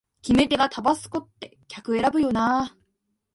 決め手がタバスコって客選ぶよなあ